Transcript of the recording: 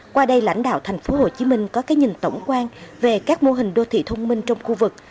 qua đây lãnh đạo thành phố hồ chí minh có cái nhìn tổng quan về các mô hình đô thị thông minh trong khu vực